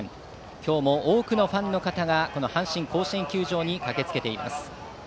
今日も多くのファンの方がこの阪神甲子園球場に駆けつけています。